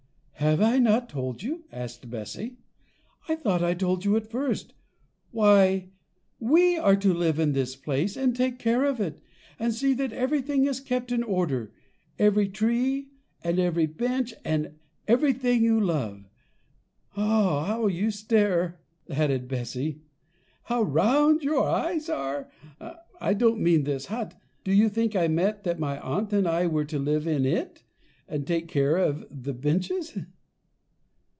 "Have not I told you?" asked Bessy; "I thought I told you at first. Why, we are to live in this place, and take care of it, and see that everything is kept in order; every tree, and every bench, and everything you love. How you stare!" added Bessy; "how round your eyes are! I don't mean this hut; did you think I meant that my aunt and I were to live in it, and take care of the benches?"